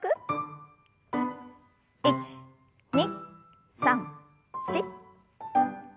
１２３４。